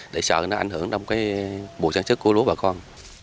để sợ nó ảnh hưởng đồng bộ trang trức của lúa bà con